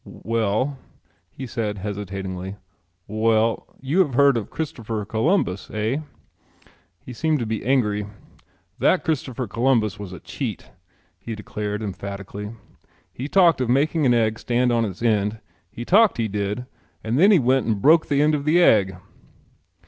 "Well," he began hesitatingly, "well, you have heard of Christopher Columbus, eh?" He seemed to be angry. "That Christopher Columbus was a cheat," he declared emphatically. "He talked of making an egg stand on its end. He talked, he did, and then he went and broke the end of the egg."